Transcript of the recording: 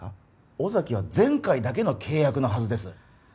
尾崎は前回だけの契約のはずです